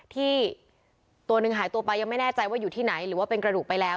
ที่ตัวหนึ่งหายตัวไปยังไม่แน่ใจว่าอยู่ที่ไหนหรือว่าเป็นกระดูกไปแล้ว